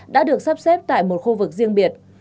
đã được sắp xếp tại một khu vực riêng biệt